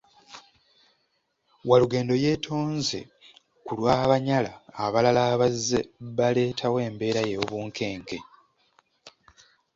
Walugendo yeetonze ku lw’Abanyala abalala abazze baleetawo embeera ey’obunkenke.